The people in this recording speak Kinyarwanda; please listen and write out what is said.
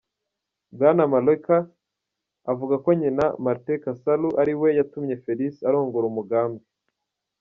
Bwana Moleka avuga ko nyina, Marthe Kasalu, ariwe yatumye Felix arongora umugambwe.